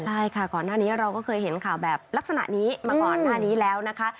ใช่ค่ะก่อนหน้านี้เราก็เคยเห็นข่าวแบบลักษณะนี้มาก่อนหน้านี้แล้วนะคะ